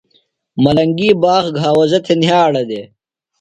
ملنگی باغ گھاوزہ تھے نھیاڑہ دے۔